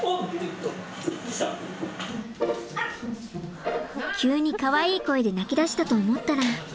急にかわいい声で鳴きだしたと思ったら。